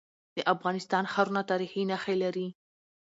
د افغانستان ښارونه تاریخي نښي لري.